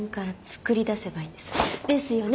ですよね？